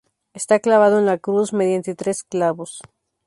Está clavado en la cruz mediante tres clavos.